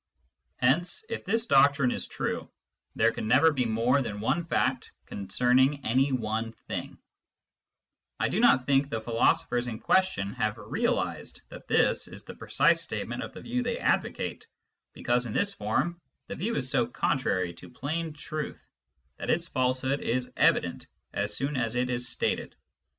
Hence, if this doctrine is true, there can never be more than one fact concerning any one thing, I do not think the philosophers in question have realised that this is the precise statement of the view they advocate, because in this form the view is so contrary to plain truth that its falsehood i^ evident as soon as it is stated.